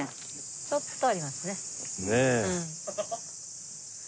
ちょっとありますね。